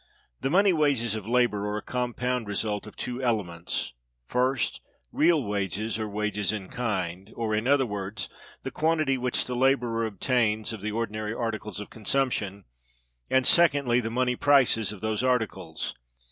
The money wages of labor are a compound result of two elements: first, real wages, or wages in kind, or, in other words, the quantity which the laborer obtains of the ordinary articles of consumption; and, secondly, the money prices of those articles.